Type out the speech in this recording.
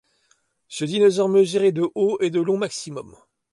Ce dinosaure mesurait de haut et de long maximum.